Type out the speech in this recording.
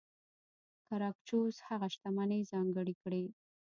ګراکچوس هغه شتمنۍ ځانګړې کړې.